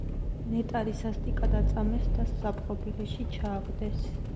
ნეტარი სასტიკად აწამეს და საპყრობილეში ჩააგდეს.